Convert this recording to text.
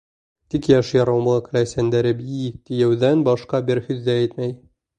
Тик йәш ярымлыҡ Ләйсәндәре «би» тиеүҙән башҡа бер һүҙ ҙә әйтмәй.